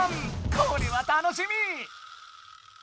これは楽しみ！